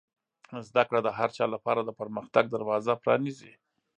زده کړه د هر چا لپاره د پرمختګ دروازه پرانیزي.